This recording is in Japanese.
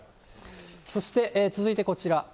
そして続いてこちら。